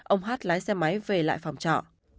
ông h h lái xe máy về lại phòng trọ